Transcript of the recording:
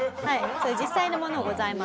実際のものございます。